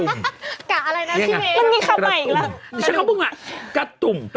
ไม่กระตุกนะกระดุ่ม